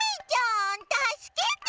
たすけて！